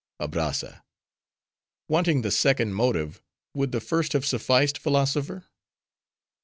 ABRAZZA—Wanting the second motive, would the first have sufficed, philosopher?